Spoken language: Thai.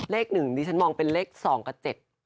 เลขหนึ่งดิฉันมองเป็นเลขสองกับเจ็ด